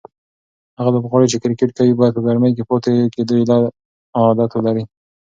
هغه لوبغاړي چې کرکټ کوي باید په ګرمۍ کې د پاتې کېدو عادت ولري.